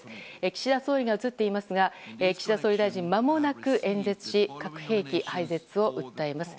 岸田総理が映っていますが岸田総理大臣がまもなく演説し核兵器廃絶を訴えます。